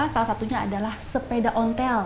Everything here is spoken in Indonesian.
salah satunya adalah sepeda ontel